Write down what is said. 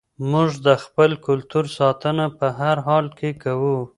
موږ د خپل کلتور ساتنه په هر حال کې کوو.